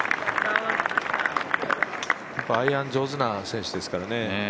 アイアン上手な選手ですからね。